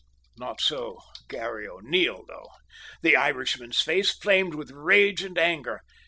Not so Garry O'Neil, though. The Irishman's face flamed with rage and anger.